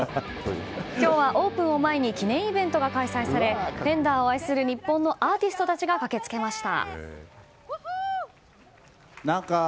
今日はオープンを前に記念イベントが開催されフェンダーを愛する日本のアーティストたちが駆けつけました。